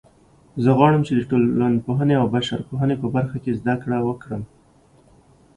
زه غواړم چې د ټولنپوهنې او بشرپوهنې په برخه کې زده کړه وکړم